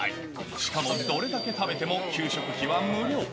しかも、どれだけ食べても給食費は無料。